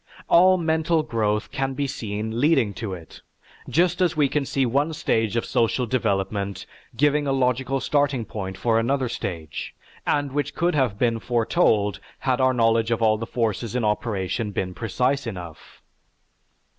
All mental growth can be seen leading to it, just as we can see one stage of social development giving a logical starting point for another stage, and which could have been foretold had our knowledge of all the forces in operation been precise enough.